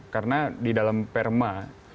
karena di dalam perma